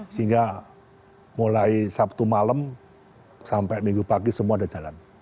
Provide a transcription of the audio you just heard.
sehingga mulai sabtu malam sampai minggu pagi semua ada jalan